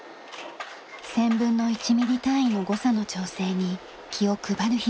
１０００分の１ミリ単位の誤差の調整に気を配る日々です。